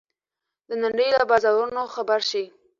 د نړۍ له بازارونو خبر شئ.